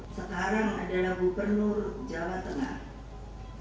sekarang adalah gubernur jawa tengah